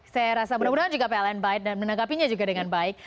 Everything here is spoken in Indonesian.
saya rasa mudah mudahan juga pln baik dan menanggapinya juga dengan baik